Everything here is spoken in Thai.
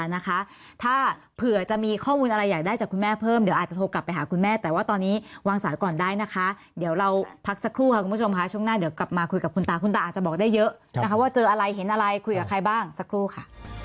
นะคะถ้าเผื่อจะมีข้อมูลอะไรอยากได้จากคุณแม่เพิ่มเดี๋ยวอาจจะโทรกลับไปหาคุณแม่แต่ว่าตอนนี้วางสายก่อนได้นะคะเดี๋ยวเราพักสักครู่ค่ะคุณผู้ชมค่ะช่วงหน้าเดี๋ยวกลับมาคุยกับคุณตาคุณตาอาจจะบอกได้เยอะนะคะว่าเจออะไรเห็นอะไรคุยกับใครบ้างสักครู่ค่ะ